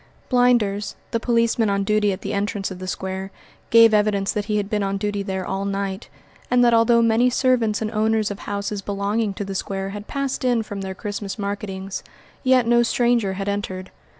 Blinders, the policeman on duty at the entrance of the square, gave evidence that he had been on duty there all night, and that although many servants and owners of houses belonging to the square had passed in from their Christmas marketings, yet no stranger had entered.